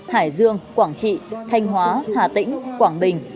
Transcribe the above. hải dương quảng trị thanh hóa hà tĩnh quảng bình